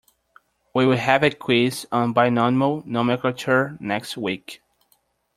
We will have a quiz on binomial nomenclature next week.